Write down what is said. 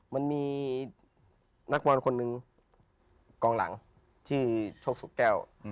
มันมีนักบอลคนหนึ่งกองหลังชื่อโชคสุแก้ว